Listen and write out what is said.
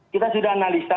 kita sudah analisa